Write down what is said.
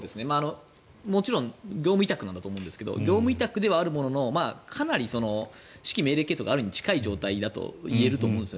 もちろん業務委託なんだと思いますけど業務委託であるもののかなり指揮命令系統があるに近い状態と思うんです。